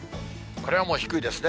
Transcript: これはもう低いですね。